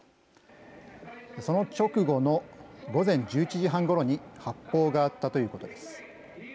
その直後の午前１１時半ごろに発砲があったということです。